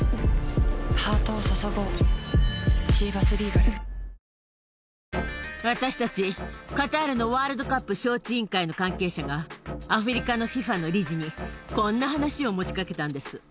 すると、その理事は、たった１００万ドル？と、ばかにした感私たち、カタールのワールドカップ招致委員会の関係者が、アフリカのＦＩＦＡの理事に、こんな話を持ちかけたんです。